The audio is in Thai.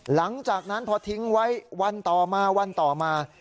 หลังจากนั้นพอทิ้งไว้วันต่อมาวันต่อมา